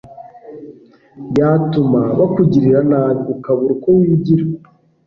yatuma bakugirira nabi, ukabura uko wigira